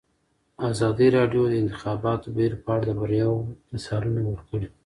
ازادي راډیو د د انتخاباتو بهیر په اړه د بریاوو مثالونه ورکړي.